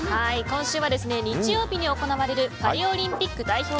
今週は日曜日に行われるパリオリンピック代表